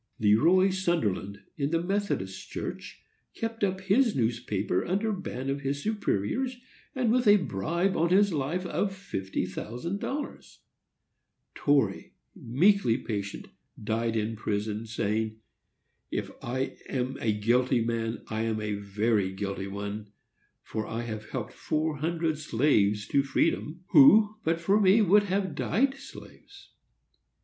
Le Roy Sunderland, in the Methodist Church, kept up his newspaper under ban of his superiors, and with a bribe on his life of fifty thousand dollars, Torrey, meekly patient, died in a prison, saying, "If I am a guilty man I am a very guilty one, for I have helped four hundred slaves to freedom, who but for me would have died slaves."